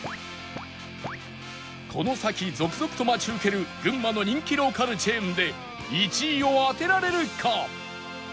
この先続々と待ち受ける群馬の人気ローカルチェーンで１位を当てられるか？